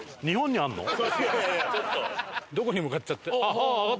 どこに向かっちゃって。